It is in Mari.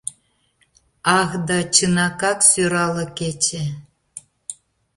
Ах, да, чынакак сӧрале кече.